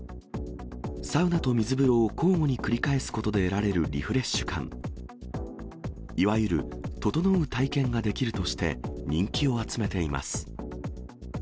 サウナと水風呂を交互に繰り返すことで得られるリフレッシュ感、いわゆる整う体験ができるとして、人気を集めています。